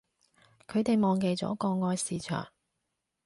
佢哋忘記咗國外市場